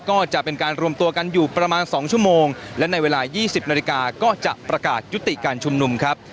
ก็จะเป็นการรวมตัวกันอยู่ประมาณ๒ชั่วโมงและในเวลา๒๐นาฬิกาก็จะประกาศยุติการชุมนุมครับ